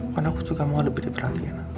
kan aku juga mau lebih diperhatikan